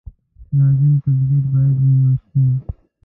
لازم تدابیر باید ونېول شي.